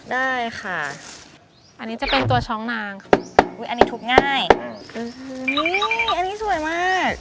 ได้ค่ะอันนี้จะเป็นตัวช้องนางค่ะอันนี้ทุบง่ายอันนี้สวยมาก